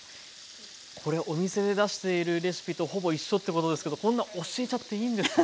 これお店で出しているレシピとほぼ一緒ってことですけどこんな教えちゃっていいんですか？